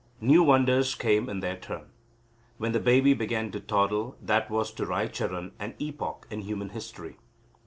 New wonders came in their turn. When the baby began to toddle, that was to Raicharan an epoch in human history.